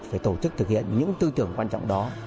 phải tổ chức thực hiện những tư tưởng quan trọng đó